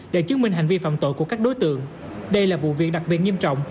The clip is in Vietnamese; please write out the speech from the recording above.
để chứng minh hành vi phạm tội của các đối tượng đây là vụ việc đặc biệt nghiêm trọng